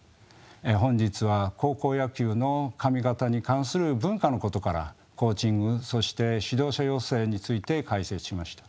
本日は高校野球の髪形に関する文化のことからコーチングそして指導者養成について解説しました。